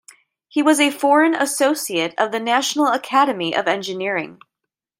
He was a Foreign Associate of the National Academy of Engineering.